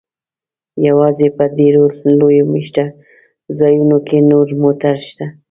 یوازې په ډیرو لویو میشت ځایونو کې نور موټر شته